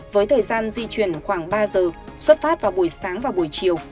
với thời gian di chuyển khoảng ba giờ xuất phát vào buổi sáng và buổi chiều